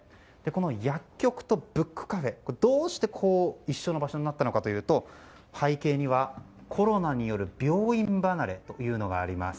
薬局とブックカフェどうして一緒の場所になったかというと背景にはコロナによる病院離れというのがあります。